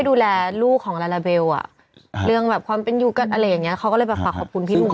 ดูแลลูกของลาลาเบลอ่ะเรื่องแบบความเป็นอยู่กันอะไรอย่างเงี้เขาก็เลยแบบฝากขอบคุณพี่ลูก